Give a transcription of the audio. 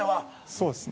そうですね。